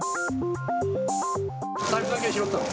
財布だけ拾ったの？